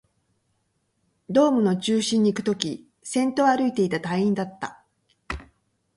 ドームの中心にいくとき、先頭を歩いていた隊員だった